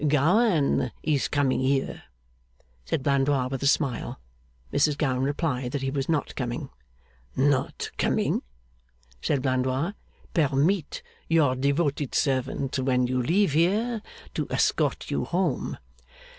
'Gowan is coming here?' said Blandois, with a smile. Mrs Gowan replied he was not coming. 'Not coming!' said Blandois. 'Permit your devoted servant, when you leave here, to escort you home.